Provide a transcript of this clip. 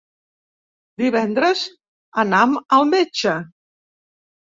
Divendres anam al metge.